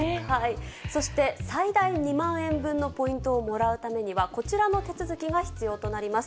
そして最大２万円分のポイントをもらうためには、こちらの手続きが必要となります。